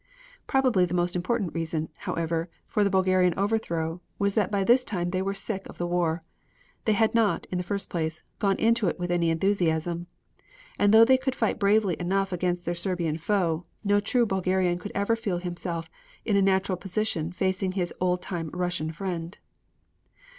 Probably the most important reason, however, for the Bulgarian overthrow was that by this time they were sick of the war. They had not, in the first place, gone into it with any enthusiasm, and though they could fight bravely enough against their Serbian foe, no true Bulgarian could ever feel himself in a natural position facing his old time Russian friend.